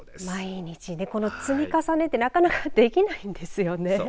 毎日この積み重ねってなかなかできないんですよね。